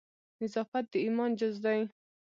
نظافت د ایمان جزء دی.